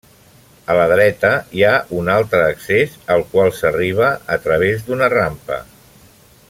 A la dreta hi ha un altre accés al qual s'arriba a través d'una rampa.